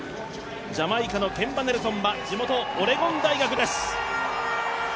ジャマイカのケンバ・ネルソンは地元オレゴン大学です。